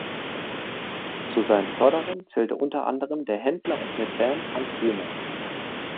Zu seinen Förderern zählte unter anderem der Händler und Mäzen Hans Boner.